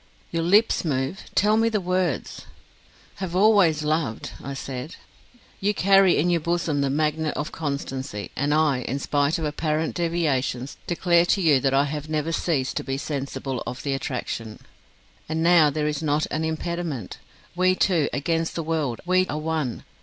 your lips move: tell me the words. Have always loved, I said. You carry in your bosom the magnet of constancy, and I, in spite of apparent deviations, declare to you that I have never ceased to be sensible of the attraction. And now there is not an impediment. We two against the world! we are one.